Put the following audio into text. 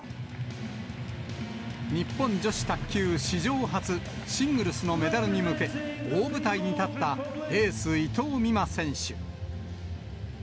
日本女子卓球、史上初、シングルスのメダルに向け、大舞台に立ったエース、伊藤美誠選手。